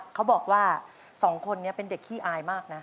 เขาบอกว่า๒คนนี้เป็นเด็กขี้อายมากนะ